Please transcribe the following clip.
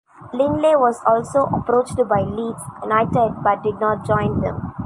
Lindley was also approached by Leeds United but did not join them.